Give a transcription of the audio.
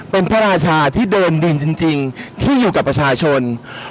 เป็นพระราชาที่เดินดินจริงที่อยู่กับประชาชน